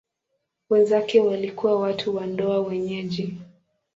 Wenzake walikuwa watu wa ndoa wenyeji.